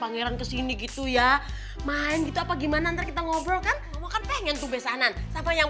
pangeran kesini gitu ya main gitu apa gimana nanti kita ngobrol kan makan pengen tuh besanan siapa yang